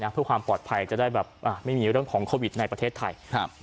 เพื่อความปลอดภัยจะได้แบบไม่มีเรื่องของโควิดในประเทศไทย